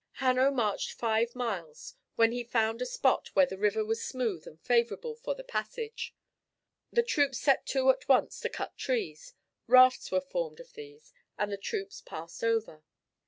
Hanno marched five miles, when he found a spot where the river was smooth and favourable for the passage. The troops set to at once to cut trees; rafts were formed of these, and the troops passed over.